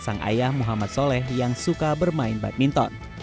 sang ayah muhammad soleh yang suka bermain badminton